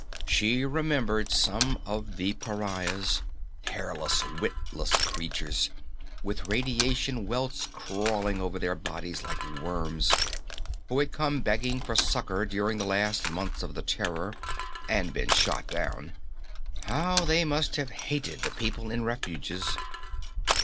She remembered some of the pariahs hairless, witless creatures, with radiation welts crawling over their bodies like worms, who had come begging for succor during the last months of the Terror and been shot down. How they must have hated the people in refuges!